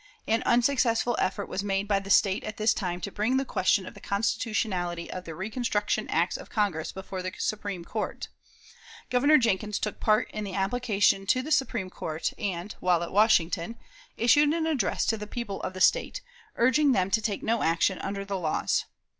An unsuccessful effort was made by the State at this time to bring the question of the constitutionality of the "reconstruction" acts of Congress before the Supreme Court. Governor Jenkins took part in the application to the Supreme Court, and, while at Washington, issued an address to the people of the State, urging them to take no action under the laws.